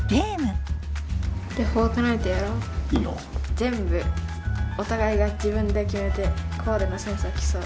全部お互いが自分で決めてコーデのセンスを競う。